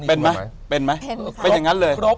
เป็นไหมเป็นอย่างนั้นเลย